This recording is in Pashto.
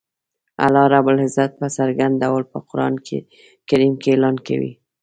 الله رب العزت په څرګند ډول په قران کریم کی اعلان کوی